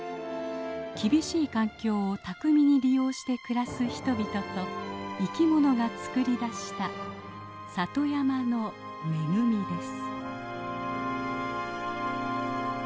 厳しい環境を巧みに利用して暮らす人々と生きものが作り出した里山の恵みです。